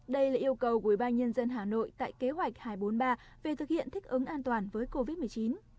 đây là yêu cầu của ubnd hà nội tại kế hoạch hai trăm bốn mươi ba về thực hiện thích ứng an toàn với covid một mươi chín